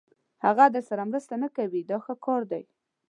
هغه درسره مرسته نه کوي دا ښه کار دی.